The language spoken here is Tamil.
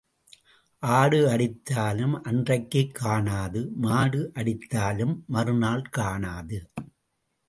ஆடு அடித்தாலும் அன்றைக்குக் காணாது மாடு அடித்தாலும் மறு நாள் காணாது.